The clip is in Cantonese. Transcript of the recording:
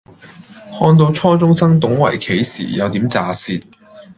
看到初中生懂圍棋時有點咋舌